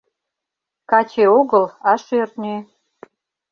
Каче огыл, а шӧртньӧ!